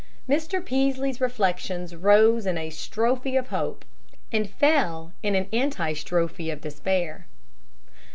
Mr. Peaslee's reflections rose in a strophe of hope and fell in an antistrophe of despair.